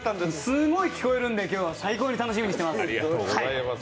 すんごい聴こえるんで、今日は最高に楽しみにしてます。